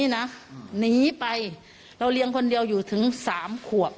หนีไปเราเลี้ยงคนเดียวอยู่ถึง๓ขวบ